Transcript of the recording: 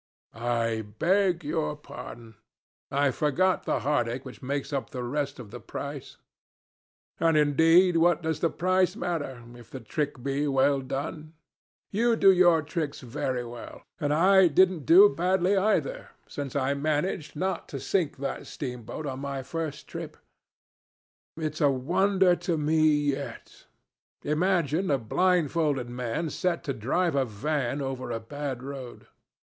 "I beg your pardon. I forgot the heartache which makes up the rest of the price. And indeed what does the price matter, if the trick be well done? You do your tricks very well. And I didn't do badly either, since I managed not to sink that steamboat on my first trip. It's a wonder to me yet. Imagine a blindfolded man set to drive a van over a bad road.